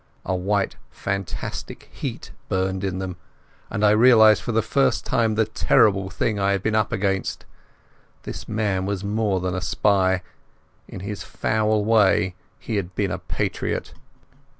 A white fanatic heat burned in them, and I realized for the first time the terrible thing I had been up against. This man was more than a spy; in his foul way he had been a patriot.